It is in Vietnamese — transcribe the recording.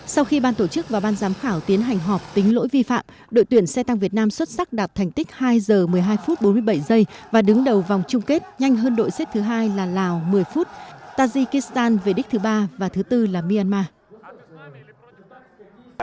sau khi ban tổ chức và ban giám khảo tiến hành họp tính lỗi vi phạm đội tuyển xe tăng việt nam xuất sắc đạt thành tích hai giờ một mươi hai phút bốn mươi bảy giây và đứng đầu vòng chung kết nhanh hơn đội xếp thứ hai là lào một mươi phút tajikistan về đích thứ ba và thứ tư là myanmar